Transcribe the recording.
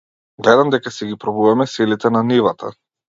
Гледам дека си ги пробуваме силите на нивата?